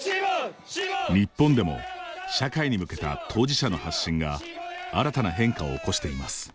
日本でも、社会に向けた当事者の発信が新たな変化を起こしています。